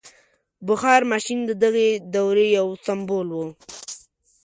• بخار ماشین د دغې دورې یو سمبول و.